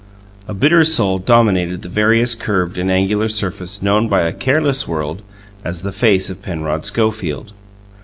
A bitter soul dominated the various curved and angular surfaces known by a careless world as the face of Penrod Schofield.